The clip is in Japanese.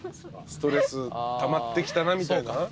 ストレスたまってきたなみたいな。